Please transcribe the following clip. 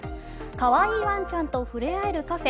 可愛いワンちゃんと触れ合えるカフェ。